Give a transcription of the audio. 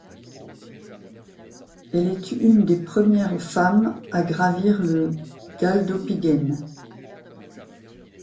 Elle est une des premières femmes à gravir le Galdhøpiggen.